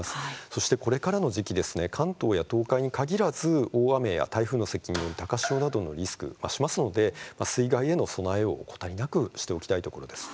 そして、これからの時期関東や東海に限らず大雨や台風の接近による高潮などのリスク、増しますので水害への備えを怠りなくしておきたいところです。